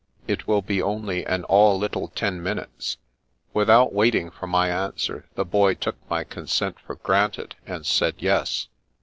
It will be only an all little ten minutes." Without waiting for my answer, the Boy took my consent for granted, and said yes.